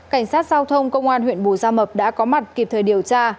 cảnh sát giao thông công an huyện bù gia mập đã có mặt kịp thời điều tra